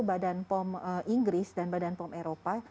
badan pom inggris dan badan pom eropa